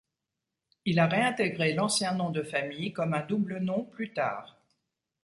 Il a réintégré l'ancien nom de famille comme un double nom plus tard.